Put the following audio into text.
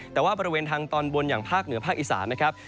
แต่ว่าบริเวณทางตอนบนอย่างภาคเหนือภาคอีสานนะครับ